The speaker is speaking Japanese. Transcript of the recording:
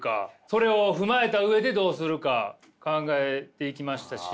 それを踏まえた上でどうするか考えていきましたし。